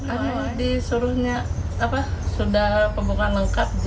anu disuruhnya sudah pembukaan lengkap